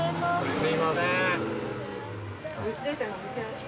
すみません。